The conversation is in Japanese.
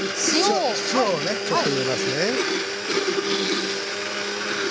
塩をねちょっと入れますね。